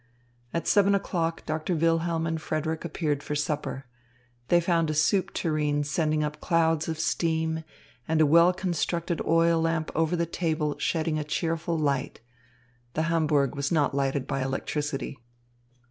At seven o'clock Doctor Wilhelm and Frederick appeared for supper. They found a soup tureen sending up clouds of steam and a well constructed oil lamp over the table shedding a cheerful light. The Hamburg was not lighted by electricity.